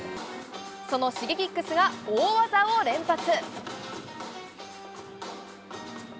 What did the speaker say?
そのシゲキックスが大技を連発。